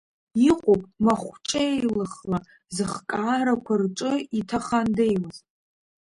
Иҟоуп махәҿеилыхла зыхкаарақәа рҿы иҭахандеиуаз.